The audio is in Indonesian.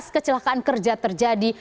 dua belas kecelakaan kerja terjadi